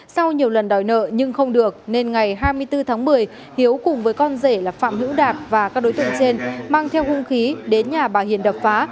sau nhiều lần đòi nợ nhưng không được nên ngày hai mươi bốn tháng một mươi hiếu cùng với con rể là phạm hữu đạt và các đối tượng trên mang theo hung khí đến nhà bà hiền đập phá